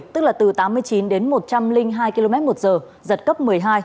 tức là từ tám mươi chín đến một trăm linh hai km một giờ giật cấp một mươi hai